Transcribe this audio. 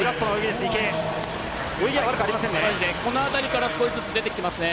この辺りから少しずつ出てきますね。